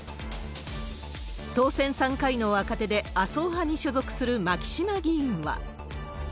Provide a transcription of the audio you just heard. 当選３回の若手で、麻生派に所属する牧島議員は。